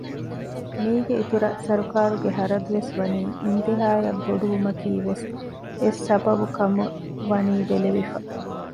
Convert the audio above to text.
މީގެ އިތުރަށް ސަރުކާރުގެ ޚަރަދުވެސް ވަނީ އިންތިހާއަށް ބޮޑު ވުމަކީވެސް އެއް ސަބަބު ކަމަށް ވަނީ ބެލެވިފަ